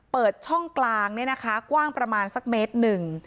เปิดช่องกลางเนี่ยนะคะกว้างประมาณสักเมตรหนึ่ง